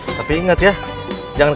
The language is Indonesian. itunya tapi atau gitu